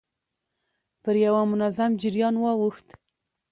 پر يوه منظم جريان واوښت.